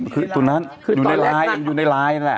เออคือตัวนั้นดูในลายอยู่ในลายนั่นแหละ